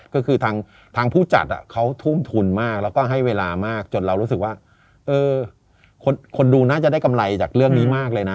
ก็คือทางผู้จัดเขาทุ่มทุนมากแล้วก็ให้เวลามากจนเรารู้สึกว่าคนดูน่าจะได้กำไรจากเรื่องนี้มากเลยนะ